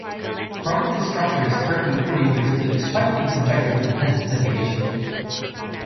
Chromatin's structure is currently poorly understood despite being subjected to intense investigation.